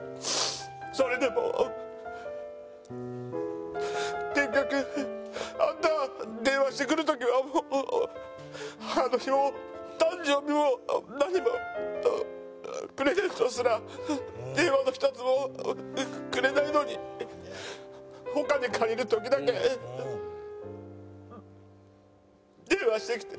それでも結局「あんた電話してくる時は母の日も誕生日も何もプレゼントすら電話の一つもくれないのにお金借りる時だけ電話してきて」